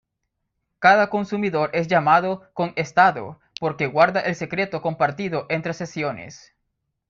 Cada consumidor es llamado "con estado" porque guarda el secreto compartido entre sesiones.